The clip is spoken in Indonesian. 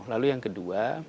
lalu yang kedua